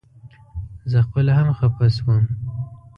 زه خپله هم خپه شوم.